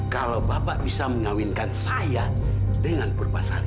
kalau bapak bisa mengawinkan saya dengan purba saran